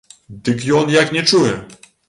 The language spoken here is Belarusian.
Дык ён як не чуе!